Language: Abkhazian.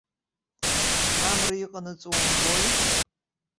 Амра иҟанаҵо умбои?